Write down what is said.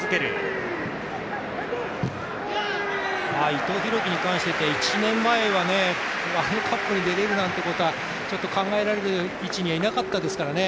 伊藤洋輝に関して言うと、１年前はワールドカップに出られるなんてことは考えられる位置にいなかったですからね